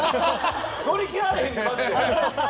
乗り切られへんで！